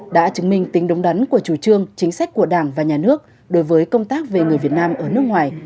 đã chứng minh tính đúng đắn của chủ trương chính sách của đảng và nhà nước đối với công tác về người việt nam ở nước ngoài